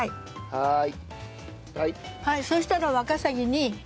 はい！